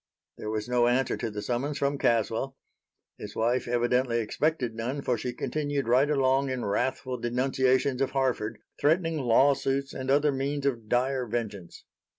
There was no answer to the summons from Caswell. His wife evidently expected none, for she continued right along in wrathful denunciations of Harford, threatening law suits and other means of dire vengeance.